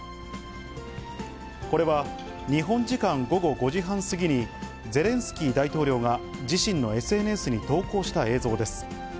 これは日本時間午後５時半過ぎに、ゼレンスキー大統領が自身のＳＮＳに投稿した映像です。